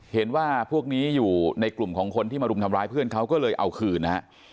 เห็นว่าพวกนี้อยู่ในกลุ่มของคนที่มารุมทำร้ายเพื่อนเขาก็เลยเอาคืนนะฮะ